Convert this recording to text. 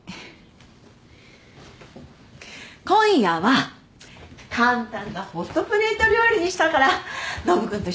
今夜は簡単なホットプレート料理にしたからノブ君と一緒にやってみて。